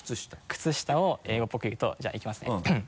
靴下を英語っぽく言うとじゃあいきますね。